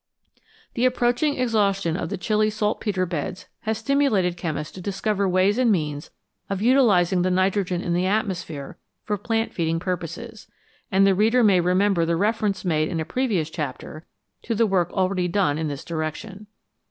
The approaching exhaustion of the Chili saltpetre beds has stimulated chemists to discover ways and means of utilising the nitrogen in the atmosphere for plant feeding purposes, and the reader may remember the reference made in a previous chapter to the work already done in this direction.